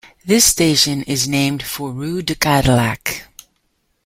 This station is named for rue de Cadillac.